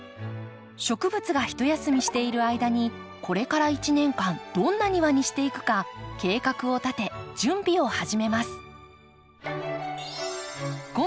植物がひと休みしている間にこれから一年間どんな庭にしていくか計画を立て準備を始めます。